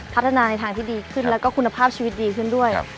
พัฒนาในทางที่ดีขึ้นแล้วก็คุณภาพชีวิตดีขึ้นด้วย